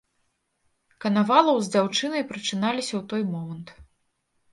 Канавалаў з дзяўчынай прачыналіся ў той момант.